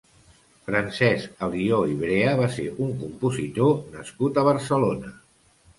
Francesc Alió i Brea va ser un compositor nascut a Barcelona.